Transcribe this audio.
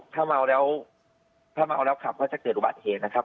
ถ้าเมาแล้วขับก็จะเกิดอุบัติเหตุนะครับ